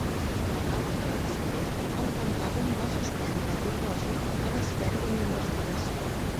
A causa de l'accident, el Pentàgon va suspendre el dipòsit a l'espera d'una investigació.